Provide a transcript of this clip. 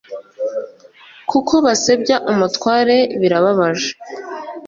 kuko basebya umutware birababaje